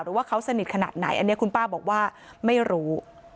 ว่าเขาสนิทขนาดไหนอันนี้คุณป้าบอกว่าไม่รู้